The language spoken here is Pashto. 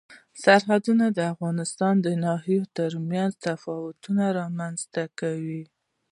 سرحدونه د افغانستان د ناحیو ترمنځ تفاوتونه رامنځ ته کوي.